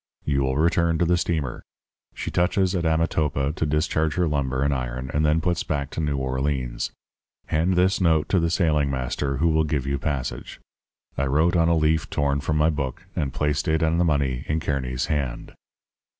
You will return to the steamer. She touches at Amotapa to discharge her lumber and iron, and then puts back to New Orleans. Hand this note to the sailing master, who will give you passage.' I wrote on a leaf torn from my book, and placed it and the money in Kearny's hand.